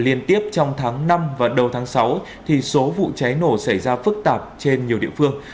liên tiếp trong tháng năm và đầu tháng sáu số vụ cháy nổ xảy ra phức tạp trên nhiều địa phương